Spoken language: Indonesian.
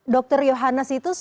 dokter yohanes itu spesialis